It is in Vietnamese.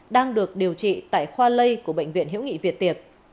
đang được điều trị tại khoa lây của bệnh viện hiễu nghị việt tiên